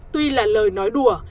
tuy là lời nói đùa